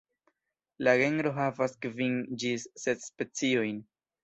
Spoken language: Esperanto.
La genro havas kvin ĝis ses speciojn.